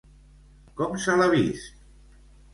Com se l'ha vist?